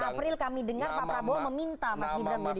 bulan april kami dengar pak prabowo meminta mas gibran menjadi capres